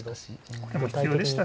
これも必要でした？